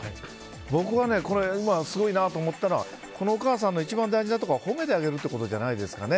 僕が今、すごいなと思ったのはこのお母さんの一番大事なところは褒めてあげるというところじゃないですかね。